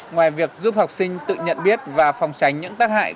ngoài việc giúp học sinh tự nhận biết và phòng tránh những tác hại